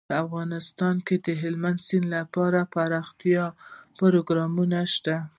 په افغانستان کې د هلمند سیند لپاره د پرمختیا پروګرامونه شته.